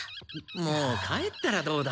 もう帰ったらどうだ？